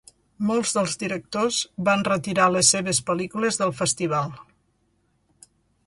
Molts dels directors van retirar les seves pel·lícules del festival.